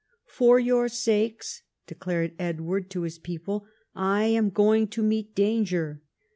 "For your sakes," declared Edward to his people, "I am going to meet danger.